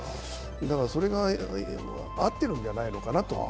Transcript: それが合ってるんじゃないかなと。